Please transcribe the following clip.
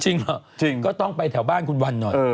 จริงเหรอก็ต้องไปแถวบ้านคุณวันน่ะ